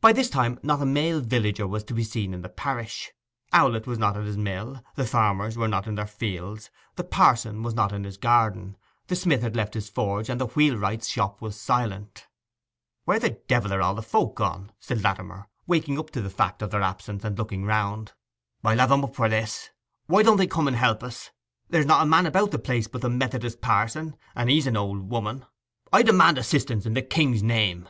By this time not a male villager was to be seen in the parish. Owlett was not at his mill, the farmers were not in their fields, the parson was not in his garden, the smith had left his forge, and the wheelwright's shop was silent. 'Where the divil are the folk gone?' said Latimer, waking up to the fact of their absence, and looking round. 'I'll have 'em up for this! Why don't they come and help us? There's not a man about the place but the Methodist parson, and he's an old woman. I demand assistance in the king's name!